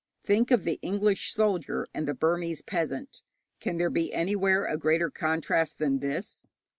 Think of the English soldier and the Burmese peasant. Can there be anywhere a greater contrast than this?